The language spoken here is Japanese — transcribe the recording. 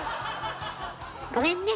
ごめんね。